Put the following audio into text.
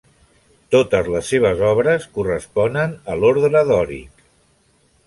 Totes les seves obres corresponen a l'ordre dòric.